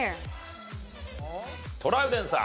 トラウデンさん。